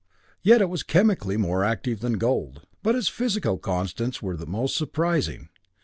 Yet it was chemically more active than gold. But its physical constants were the most surprising.